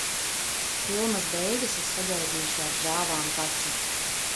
Filmas beigas es sagaidīju ar žāvām taču.